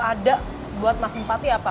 ada buat mas bupati apa